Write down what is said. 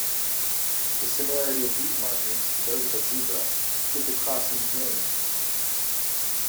The similarity of these markings to those of a zebra give the crossing's name.